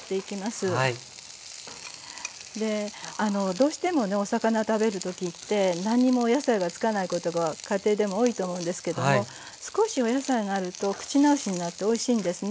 どうしてもねお魚食べるときって何にもお野菜がつかないことが家庭でも多いと思うんですけども少しお野菜があると口直しになっておいしいんですね。